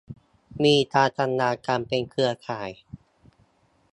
มีการทำงานกันเป็นเครือข่าย